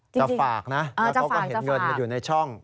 ฝากนะแล้วเขาก็เห็นเงินมันอยู่ในช่อง